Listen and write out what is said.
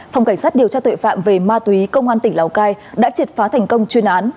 phòng cảnh sát điều tra tuệ phạm về ma túy công an tỉnh lào cai đã triệt phá thành công chuyên án